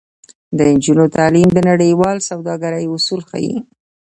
د نجونو تعلیم د نړیوال سوداګرۍ اصول ښيي.